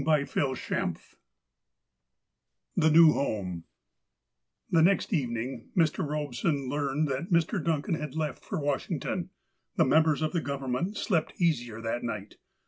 XXXIV THE NEW HOME THE next evening Mr. Eobson learned tliat Mr. Duncan had left for ^yasllington. The mem bers of the Government slept easier that night.